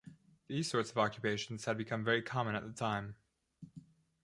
These sorts of occupations had become very common at the time.